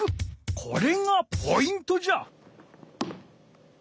これがポイントじゃ。